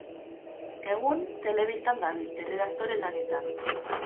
Egun, telebistan dabil, erredaktore lanetan.